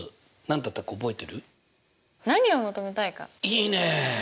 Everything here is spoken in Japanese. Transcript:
いいね！